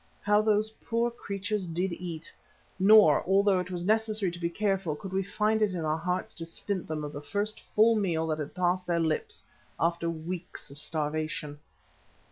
how those poor creatures did eat, nor, although it was necessary to be careful, could we find it in our hearts to stint them of the first full meal that had passed their lips after weeks of starvation.